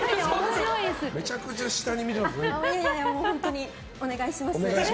いやいや本当にお願いします。